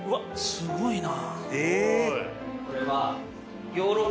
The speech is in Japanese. すごいな。